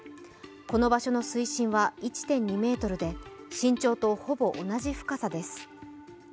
この場所の水深は１．２ｍで身長とほぼ同じ深さです。